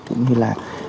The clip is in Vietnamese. cũng như là